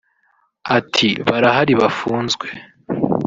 Ati “Barahari bafunzwe